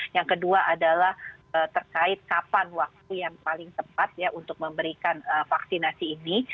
yang kedua adalah terkait kapan waktu yang paling tepat ya untuk memberikan vaksinasi ini